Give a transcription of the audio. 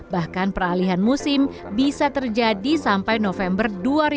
bahkan peralihan musim bisa terjadi sampai november dua ribu dua puluh